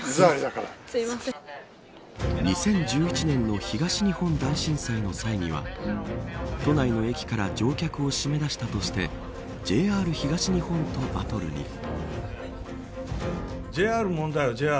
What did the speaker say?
２０１１年の東日本大震災の際には都内の駅から乗客を締め出したとしてＪＲ東日本とバトルに。